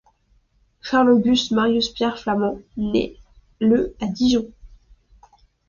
Charles Auguste Marius Pierre Flamand naît le à Dijon.